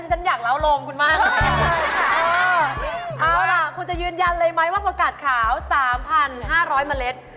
เออเอาล่ะคุณจะยืนยันเลยไหมว่าประกาศขาว๓๕๐๐เมล็ด